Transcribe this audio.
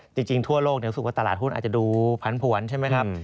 ทั่วโลกรู้สึกว่าตลาดหุ้นอาจจะดูผันผวนใช่ไหมครับ